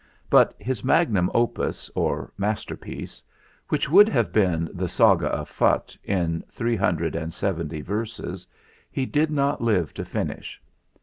But his magnum opus, or masterpiece, which would have been the "Saga of Phutt," in three hundred and seventy verses, he did not live to finish.